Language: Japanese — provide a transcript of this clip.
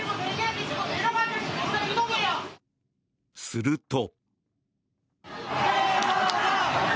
すると。